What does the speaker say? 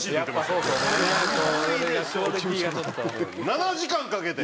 ７時間かけて。